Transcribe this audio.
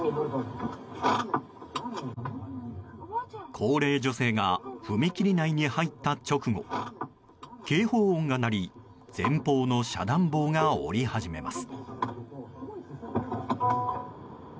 高齢女性が踏切内に入った直後警報音が鳴り前方の遮断棒が下り始めます。